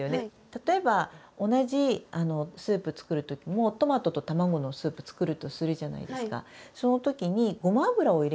例えば同じスープ作るときもトマトと卵のスープ作るとするじゃないですか。